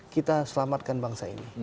kita selamatkan bangsa ini